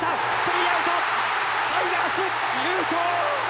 タイガース、優勝！